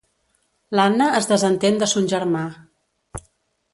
L'Anna es desentén de son germà.